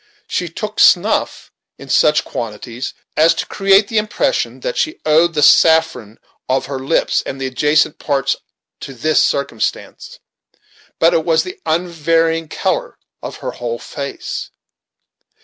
She took snuff in such quantities as to create the impression that she owed the saffron of her lips and the adjacent parts to this circumstance; but it was the unvarying color of her whole face.